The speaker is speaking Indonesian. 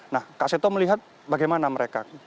nah kak seto melihat bagaimana mereka